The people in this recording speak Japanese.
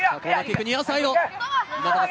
ニアサイド。